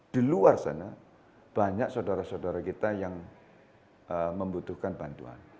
di luar sana banyak saudara saudara kita yang membutuhkan bantuan